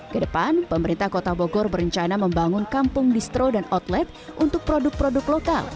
kedepan pemerintah kota bogor berencana membangun kampung distro dan outlet untuk produk produk lokal